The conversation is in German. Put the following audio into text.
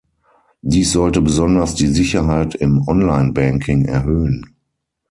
Dies sollte besonders die Sicherheit im Online-Banking erhöhen.